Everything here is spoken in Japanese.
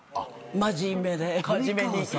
真面目に。